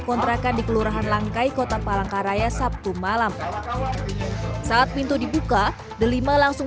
kontrakan di kelurahan langkai kota palangkaraya sabtu malam saat pintu dibuka delima langsung